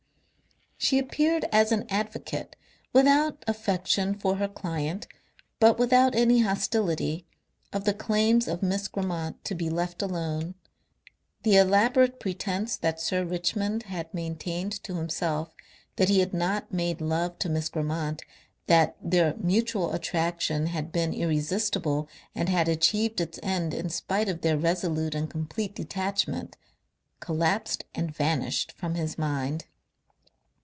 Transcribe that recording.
She appeared as an advocate, without affection for her client but without any hostility, of the claims of Miss Grammont to be let alone. The elaborate pretence that Sir Richmond had maintained to himself that he had not made love to Miss Grammont, that their mutual attraction had been irresistible and had achieved its end in spite of their resolute and complete detachment, collapsed and vanished from his mind.